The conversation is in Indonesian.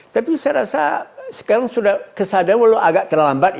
tapi saya rasa sekarang sudah kesadaran walau agak terlambat